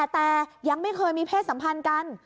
แต่ยังไม่เคยมีเพศสัมพันธ์กัน